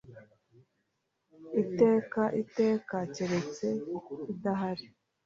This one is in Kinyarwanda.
Iteka iteka keretse idahari.